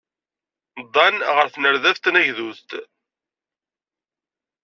Ddan ɣer tnerdabt tanagdudt.